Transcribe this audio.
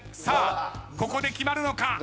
さあここで決まるのか？